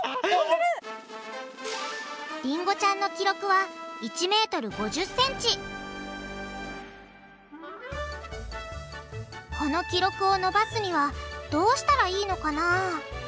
りんごちゃんの記録はこの記録を伸ばすにはどうしたらいいのかな？